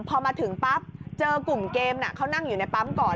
พอมาถึงปั๊บเจอกลุ่มเกมเขานั่งอยู่ในปั๊มก่อน